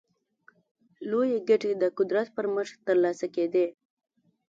لویې ګټې د قدرت پر مټ ترلاسه کېدې.